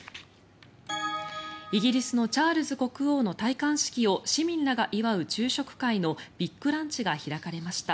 イギリスのチャールズ国王の戴冠式を市民らが祝う昼食会のビッグランチが開かれました。